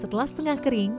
setelah setengah kering